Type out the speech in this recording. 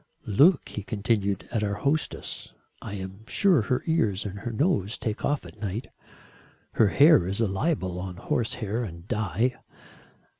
"Look," he continued, "at our hostess. I am sure her ears and her nose take off at night. Her hair is a libel on horsehair and dye."